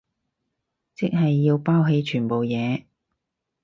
即係要拋棄全部嘢